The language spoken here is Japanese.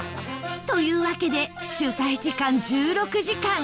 というわけで取材時間１６時間